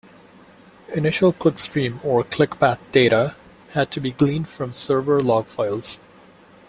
Initial clickstream or click path data had to be gleaned from server log files.